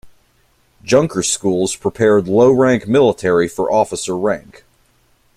Junker schools prepared low-rank military for officer rank.